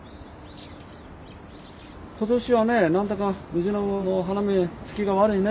今年はね何だかムジナモの花芽つきが悪いね。